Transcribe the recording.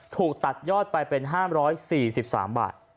ถูกตัดยอดไปเป็น๕๔๓บาท